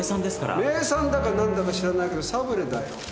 名産だか何だか知らないけどサブレーだよ。